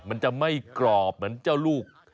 มันจะไม่กรอบเหมือนเจ้าลูก